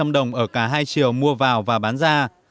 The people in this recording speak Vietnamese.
năm đồng ở cả hai triệu mua vào và bán ra